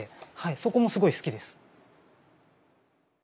そこもすごい好きです。